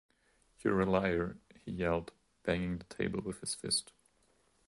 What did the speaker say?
“You’re a liar!” he yelled, banging the table with his fist.